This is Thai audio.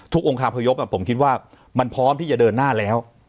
องคาพยพผมคิดว่ามันพร้อมที่จะเดินหน้าแล้ว